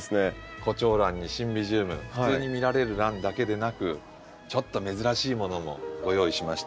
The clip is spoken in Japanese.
コチョウランにシンビジウム普通に見られるランだけでなくちょっと珍しいものもご用意しましてこの左手の下。